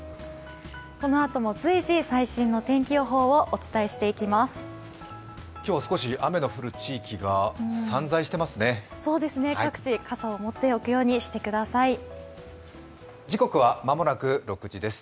このあとも随時、最新の天気予報をお伝えしていきます。